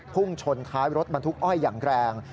พุ่งชนท้ายรถบรรทุกอ้อยอย่างแรง